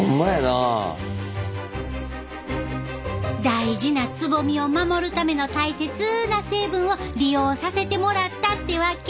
大事なつぼみを守るための大切な成分を利用させてもらったってわけ。